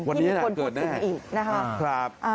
วันนี้น่าเกิดแน่วันนี้มีคนพูดสิ่งอีกนะครับ